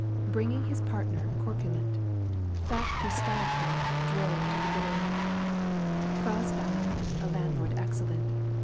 Bringing his partner corpulent Fat Poustiakofif drove to the door ; Gvozdine, a landlord excellent.